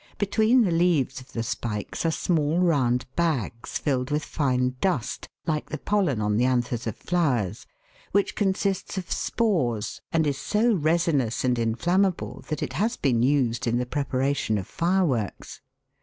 Between the leaves of the spikes are small round bags filled with fine dust, like the pollen on the anthers of flowers, which consists of spores, and is so resinous and inflammable that it has been used in the preparation of fireworks.